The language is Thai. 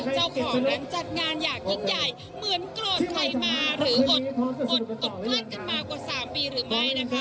เจ้าของนั้นจัดงานอย่างยิ่งใหญ่เหมือนโกรธใครมาหรืออดเพื่อนกันมากว่า๓ปีหรือไม่นะคะ